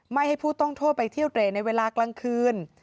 ให้ผู้ต้องโทษไปเที่ยวเตรในเวลากลางคืน